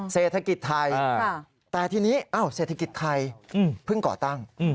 เศรษฐกิจไทยแต่ทีนี้เศรษฐกิจไทยเพิ่งก่อตั้ง